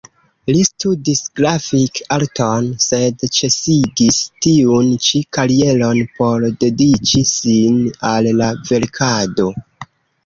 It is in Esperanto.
Li studis grafik-arton, sed ĉesigis tiun ĉi karieron, por dediĉi sin al la verkado.